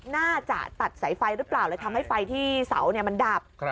น่าจะตัดสายไฟหรือเปล่าเลยทำให้ไฟที่เสามันดับ